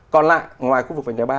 còn lại ngoài khu vực vành đài ba